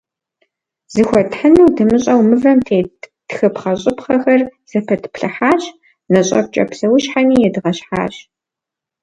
Зыхуэтхьынур дымыщӏэу мывэм тет тхыпхъэщӏыпхъэхэр зэпэтплъыхьащ, нэщӏэпкӏэ псэущхьэми едгъэщхьащ.